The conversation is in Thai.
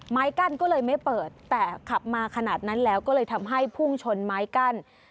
ไม้กั้นก็เลยไม่เปิดแต่ขับมาขนาดนั้นแล้วก็เลยทำให้พุ่งชนไม้กั้น